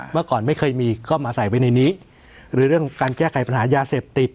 เมื่อก่อนไม่เคยมีก็มาใส่ไว้ในนี้หรือเรื่องการแก้ไขปัญหายาเสพติด